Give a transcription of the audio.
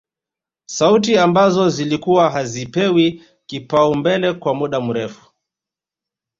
Sauti ambazo zilikuwa hazipewi kipaumbele kwa muda mrefu